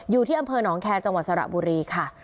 อยู่ที่อำเภอหนองแคร์จังหวัดสระบุรีค่ะ